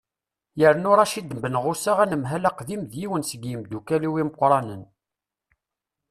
yernu racid benɣusa anemhal aqdim d yiwen seg yimeddukkal-iw imeqqranen